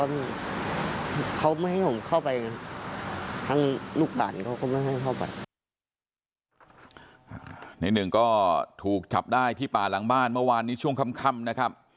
ในหนึ่งก็ถูกจับได้ที่ป่าหลังบ้านเมื่อวานนี้ช่วงค่ำนะครับ